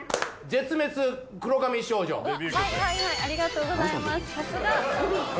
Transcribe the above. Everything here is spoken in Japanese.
「絶滅黒髪少女」ね